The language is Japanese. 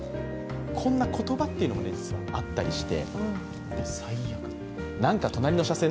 こんな言葉っていうのも実はあったりして。